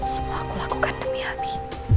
semua aku lakukan demi habi